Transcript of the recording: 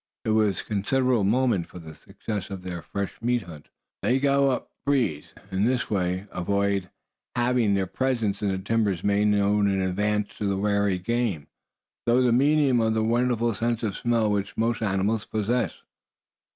It was of considerable moment for the success of their fresh meat hunt, that they go up the breeze. In this way they would avoid having their presence in the timber made known in advance to the wary game, through the medium of the wonderful sense of smell which most animals possess.